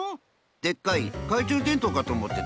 でっかいかいちゅうでんとうかとおもってた。